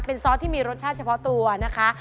เป็นซอสที่มีรสชาติเฉพาะตัวนะคะ